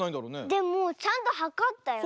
でもちゃんとはかったよ。